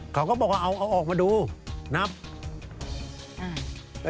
เขาก็บอกว่าเอาออกมาดูนะครับ